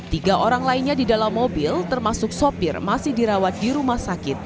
tiga orang lainnya di dalam mobil termasuk sopir masih dirawat di rumah sakit